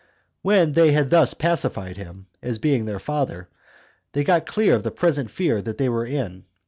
5. When they had thus soon pacified him, as being their father, they got clear of the present fear they were in.